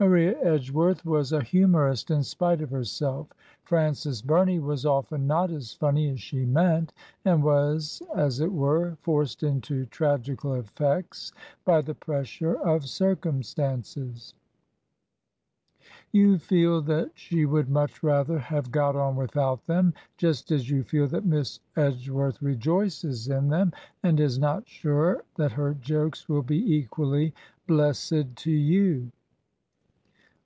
Maria Edgeworth 37 Digitized by VjOOQIC HEROINES OF FICTION was a humorist in spite of herself ; Frances Bumey was often not as funny as she meant, and was, as it were, forced into tragical effects by the pressure of circum stances. You feel that she would much rather have got on without them; just as you feel that Miss Edge worth rejoices in them, and is not sure that her jokes will be equally blessed to you.